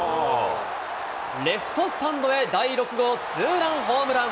レフトスタンドへ、第６号ツーランホームラン。